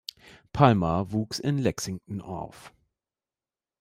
Palmer wuchs in Lexington auf.